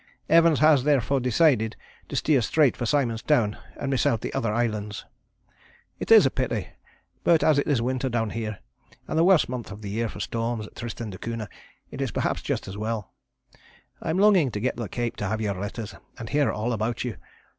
Evans has therefore decided to steer straight for Simon's Town and miss out the other islands. It is a pity, but as it is winter down here, and the worst month of the year for storms at Tristan Da Cunha, it is perhaps just as well. I am longing to get to the Cape to have your letters and hear all about you.